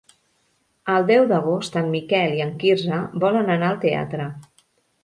El deu d'agost en Miquel i en Quirze volen anar al teatre.